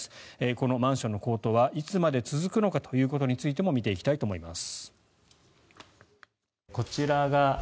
このマンションの高騰はいつまで続くのかということについても見ていきたいと思います。